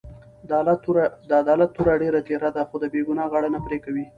د عدالت توره ډېره تېره ده؛ خو د بې ګناه غاړه نه پرې کوي.